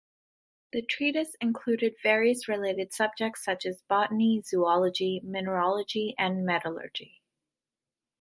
The treatise included various related subjects such as botany, zoology, mineralogy, and metallurgy.